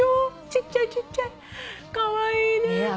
ちっちゃいちっちゃい。カワイイねえ。